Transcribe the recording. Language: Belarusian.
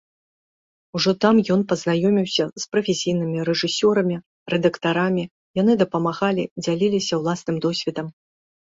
Ужо там ён пазнаёміўся з прафесійнымі рэжысёрамі, рэдактарамі, яны дапамагалі, дзяліліся ўласным досведам.